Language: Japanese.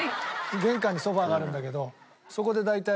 玄関にソファがあるんだけどそこで大体。